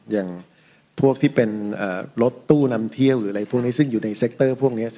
อย่างพวกที่เป็นรถตู้นำเที่ยวหรืออะไรพวกนี้